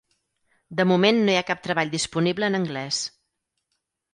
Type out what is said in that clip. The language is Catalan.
De moment no hi ha cap treball disponible en anglès.